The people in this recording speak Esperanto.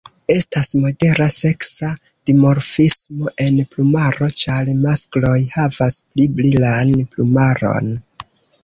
Estas modera seksa dimorfismo en plumaro, ĉar maskloj havas pli brilan plumaron.